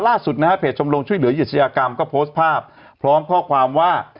ล่าสุดนะฮะเพจชมรมช่วยเหลือเหยชยากรรมก็โพสต์ภาพพร้อมข้อความว่า